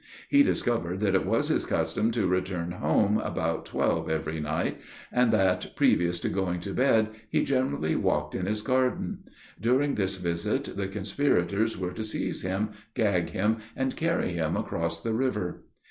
He discovered that it was his custom to return home about twelve every night, and that, previous to going to bed, he generally walked in his garden. During this visit, the conspirators were to seize him, gag him, and carry him across the river.